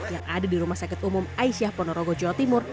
yang ada di rumah sakit umum aisyah ponorogo jawa timur